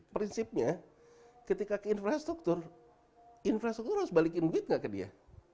prinsipnya ketika ke infrastruktur infrastruktur harus balikin duit gak ke dia